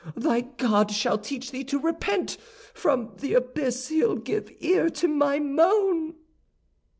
Thy God shall teach thee to repent! From th' abyss he'll give ear to my moan."